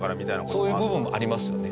そういう部分もありますよね。